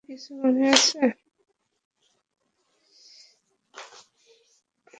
তোমার কিছু মনে আছে?